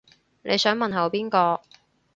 你想問候邊個